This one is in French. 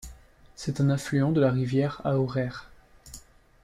C’est un affluent de la rivière Aorere.